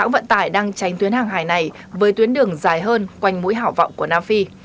vận tải đang tránh tuyến hàng hải này với tuyến đường dài hơn quanh mũi hảo vọng của nam phi